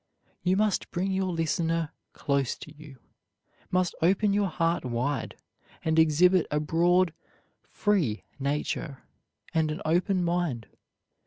You must bring your listener close to you, must open your heart wide, and exhibit a broad free nature, and an open mind.